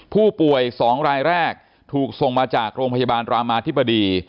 ผู้ป่วย๒รายแรกถูกส่งมาจากโรงพยาบาลรามาธิบดี